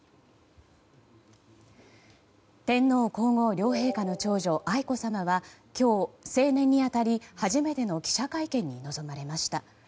天皇・皇后両陛下の長女愛子さまは今日、成年に当たり初めての記者会見に臨まれました。